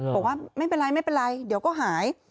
บอกว่าไม่เป็นไรเดี๋ยวก็หาย